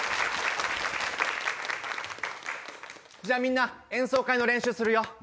じゃあみんな演奏会の練習するよ。